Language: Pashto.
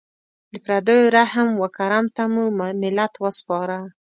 د پردیو رحم و کرم ته مو ملت وسپاره.